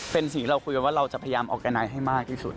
เป็นสิ่งที่เราคุยกันว่าเราจะพยายามออกแกนไนด์ให้มากที่สุดอ่ะครับ